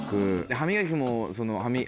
「歯磨き」も。